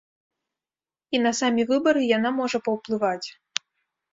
І на самі выбары яна можа паўплываць.